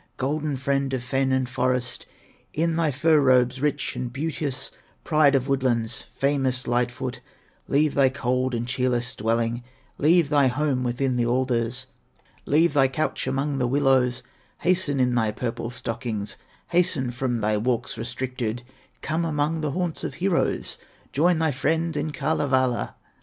Golden friend of fen and forest, In thy fur robes rich and beauteous, Pride of woodlands, famous Light foot, Leave thy cold and cheerless dwelling, Leave thy home within the alders, Leave thy couch among the willows, Hasten in thy purple stockings, Hasten from thy walks restricted, Come among the haunts of heroes, Join thy friends in Kalevala.